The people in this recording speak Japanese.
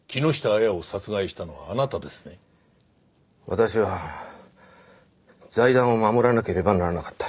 私は財団を守らなければならなかった。